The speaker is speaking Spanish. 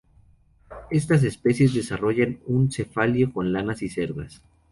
Estas especies desarrollan un cefalio con lanas y cerdas.